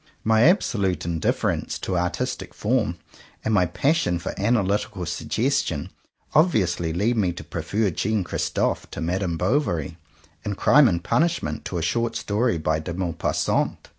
My absolute indifference to artistic form, and my pas sion for analytical suggestion, obviously lead me to prefer Jean Christophe to Madame Bovary; and Crime and Pun ishment to a short story by De Mau passant.